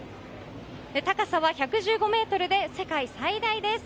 高さは１１５ｍで世界最大です。